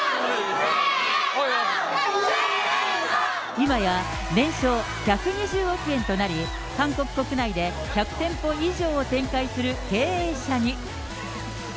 今や、年商１２０億円となり、韓国国内で１００店舗以上を経営する経営者に。